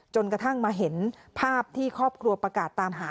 จนกระทั่งมาเห็นภาพที่ครอบครัวประกาศตามหา